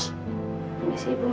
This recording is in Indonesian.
terima kasih ibu mami